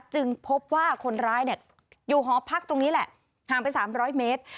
จึงพบว่าคนร้ายอยู่หอพักตรงนี้แหละห่างไป๓๐๐เมตร